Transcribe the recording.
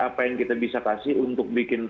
apa yang kita bisa kasih untuk bikin